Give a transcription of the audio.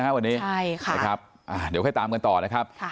นะวันนี้ใช่ครับเดี๋ยวให้ตามกันต่อนะครับ